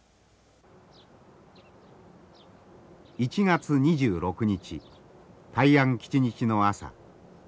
１月２６日大安吉日の朝。